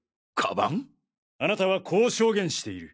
あなたはこう証言している。